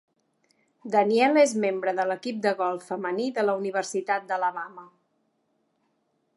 Daniela és membre de l'equip de golf femení de la Universitat d'Alabama.